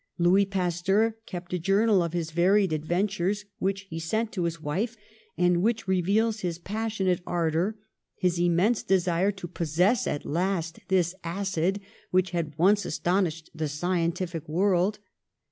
Louis Pas teur kept a journal of his varied adventures, which he sent to his wife and which reveals his passionate ardor, his immense desire to possess at last this acid which had once astonished the scientific world.